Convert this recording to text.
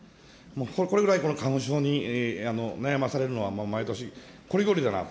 これぐらい、花粉症に悩まされるのは、毎年こりごりだなと。